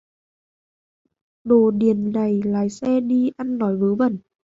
Đồ điền này lái xe đi ăn nói Vớ vẩn